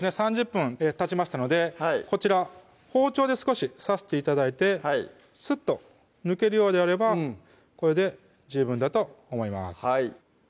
３０分たちましたのでこちら包丁で少し刺して頂いてはいスッと抜けるようであればこれで十分だと思います